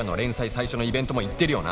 最初のイベントも行ってるよな」